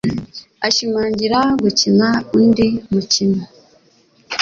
Ashimangira gukina undi mukino.